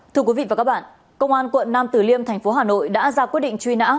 thưa quý vị và các bạn công an quận nam tử liêm thành phố hà nội đã ra quyết định truy nã